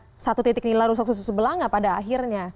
ada satu titik nilai rusak susu belanga pada akhirnya